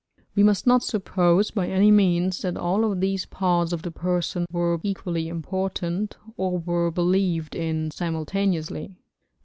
We must not suppose by any means that all of these parts of the person were equally important, or were believed in simultaneously.